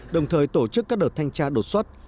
đồng thời tổ chức các đợt thanh tra đột xuất